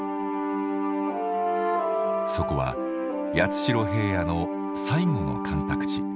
そこは八代平野の最後の干拓地。